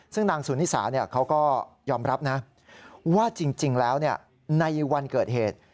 ซึ่งนางสุนิสาเขาก็ยอมรับนะว่าจริงแล้วในวันเกิดเหตุ